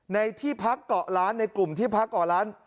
ในที่พักเกาะร้านในกลุ่มที่พักเกาะร้าน